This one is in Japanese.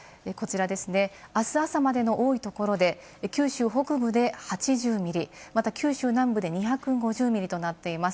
こちらですね、あす朝までの多いところで九州北部で８０ミリ、また九州南部で２５０ミリとなっています。